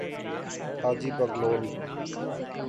حاجی بغلول